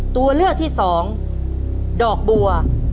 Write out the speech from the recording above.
ตัวเลือกที่สองดอกบัว